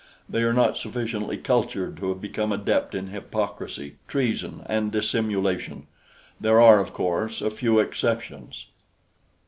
They are not sufficiently cultured to have become adept in hypocrisy, treason and dissimulation. There are, of course, a few exceptions.